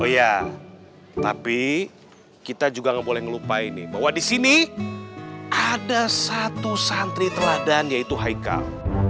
oh iya tapi kita juga gak boleh ngelupain nih bahwa di sini ada satu santri teladan yaitu haikal